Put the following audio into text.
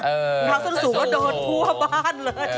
เท้าส้นสูงก็โดนทั่วบ้านเลย